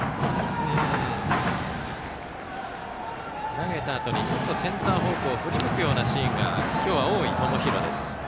投げたあとにセンター方向を振り向くようなシーンが今日は多い友廣です。